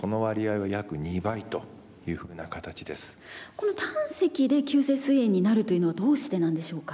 この胆石で急性すい炎になるというのはどうしてなんでしょうか？